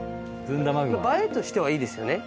映えとしてはいいですよね。